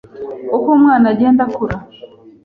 Uko umwana agenda akura